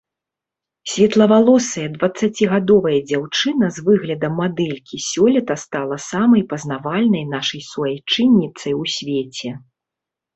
Светлавалосая дваццацігадовая дзяўчына з выглядам мадэлькі сёлета стала самай пазнавальнай нашай суайчынніцай у свеце.